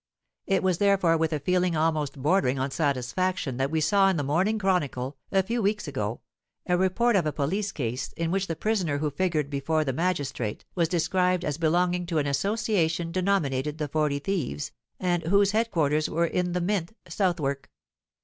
It was therefore with a feeling almost bordering on satisfaction that we saw in the Morning Chronicle, a few weeks ago, a report of a police case in which the prisoner who figured before the magistrate was described as "belonging to an association denominated the 'Forty Thieves,' and whose head quarters were in the Mint, Southwark."